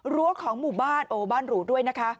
รั้วของหมู่บ้านโอ้บ้านหรูด้วยนะคะ